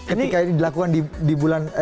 ketika ini dilakukan di bulan